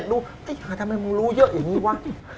ดูทำไมมึงรู้เยอะอย่างนี้วะ